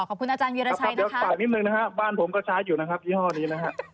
เดี๋ยวสุดค่ะบ้านผมก็ใช้อยู่นะครับคือพี่ห้อนี้